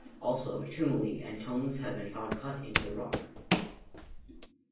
Also, "tumuli" and tombs have been found cut into the rock.